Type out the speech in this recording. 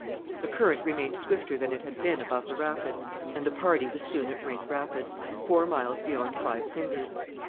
The current remained swifter than it had been above the rapids, and the party was soon at Rink Rapids, four miles beyond Five Fingers.